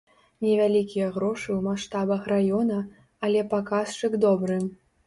Невялікія грошы ў маштабах раёна, але паказчык добры.